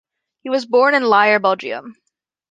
He was born in Lier, Belgium.